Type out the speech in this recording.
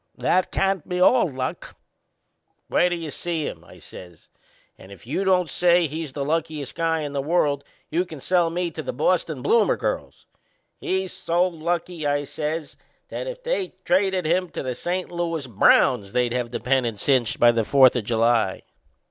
That can't be all luck." "Wait till you see him," I says; "and if you don't say he's the luckiest guy in the world you can sell me to the Boston Bloomer Girls. He's so lucky," I says, "that if they traded him to the St. Louis Browns they'd have the pennant cinched by the Fourth o' July."